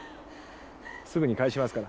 すぐに帰しますから。